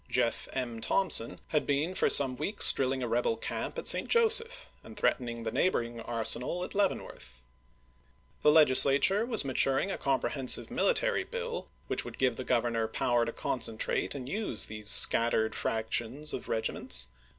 Jeff M. Thompson had been for some weeks drilling a rebel camp at St. Joseph, and threatening the neighboring arsenal at Leaven worth. The Legislature was maturing a compre hensive military bill which would give the Governor power to concentrate and use these scattered frac tions of regiments.